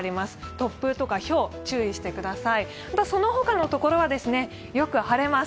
突風とかひょう、注意してくださいその他の所はよく晴れます。